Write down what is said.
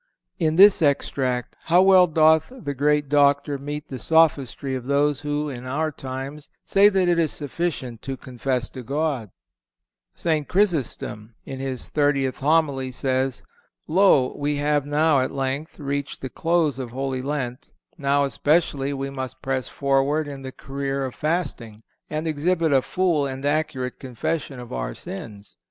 (450) In this extract how well doth the great Doctor meet the sophistry of those who, in our times, say that it is sufficient to confess to God! St. Chrysostom, in his thirtieth Homily, says: "Lo! we have now, at length, reached the close of Holy Lent; now especially we must press forward in the career of fasting, ... and exhibit a full and accurate confession of our sins